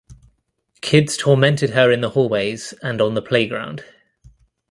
Kids tormented her in the hallways and on the playground.